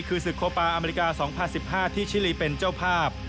คือศึกโคปาอเมริกา๒๐๑๕ที่ชิลีเป็นเจ้าภาพ